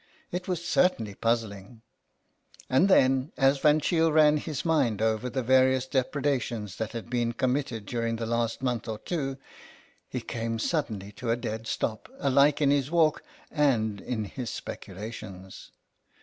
It was certainly puzzling. And then, as Van Cheele ran his mind over the various depredations that had been com mitted during the last month or two, he came suddenly to a dead stop, alike in his walk and his speculations.